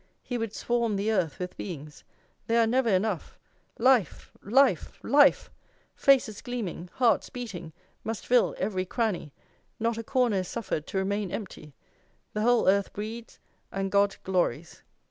He would swarm the earth with beings. There are never enough. Life, life, life, faces gleaming, hearts beating, must fill every cranny. Not a corner is suffered to remain empty. The whole earth breeds, and God glories."